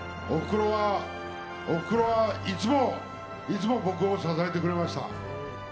おふくろはいつもいつも僕を支えてくれました。